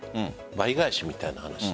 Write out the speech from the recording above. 倍返しみたいな話。